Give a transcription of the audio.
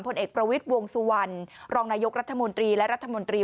ผลเอกประวิทย์วงสุวรรณรองนายกรัฐมนตรีและรัฐมนตรี